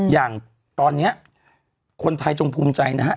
อย่างตอนนี้คนไทยจงภูมิใจนะฮะ